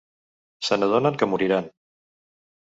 Se n'adonen que moriran.